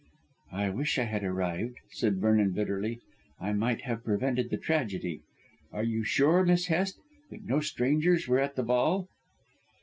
"I wish I had arrived," said Vernon bitterly, "I might have prevented this tragedy. Are you sure, Miss Hest, that no strangers were at the ball?"